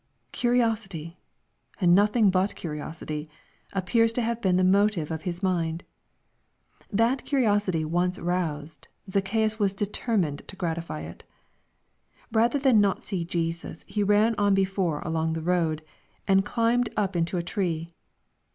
Curiosity, and nothing but curiosity, appears to have been the motive of his mind. That curiosity once roused, Zacchaeus was determined to gratify it. Bather than not see Jesus he ran on before along the road, and "climbed up into a tree."